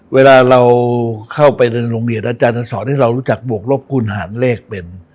เวลาเราเข้าไปในโรงเรียนอาจารย์จะสอนให้เรารู้จักบวกลบคุณหารเลขเป็น